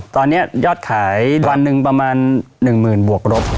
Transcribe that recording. ตอนนี้ยอดขายวันหนึ่งประมาณ๑หมื่นบวกรบ